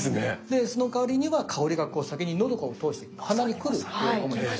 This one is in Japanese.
そのかわりには香りがこう先にのどをこう通して鼻にくるというお米です。